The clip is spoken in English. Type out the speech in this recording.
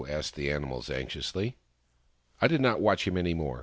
" asked the animals anxiously. " I did not watch him any more.